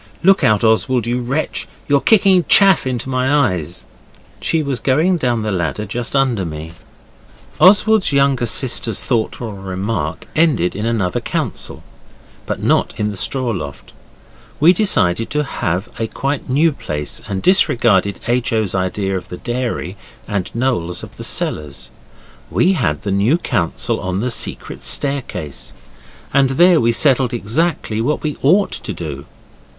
Look out, Oswald, you wretch, you're kicking chaff into my eyes.' She was going down the ladder just under me. Oswald's younger sister's thoughtful remark ended in another council. But not in the straw loft. We decided to have a quite new place, and disregarded H. O.'s idea of the dairy and Noel's of the cellars. We had the new council on the secret staircase, and there we settled exactly what we ought to do.